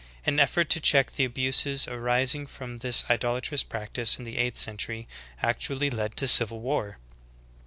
An effort to check the abuses arising from this idolatrous practice in the eighth century, actually led to civil war.'